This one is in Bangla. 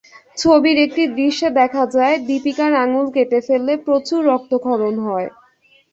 ছবির একটি দৃশ্যে দেখা যায়, দীপিকার আঙুল কেটে ফেললে প্রচুর রক্তক্ষরণ হয়।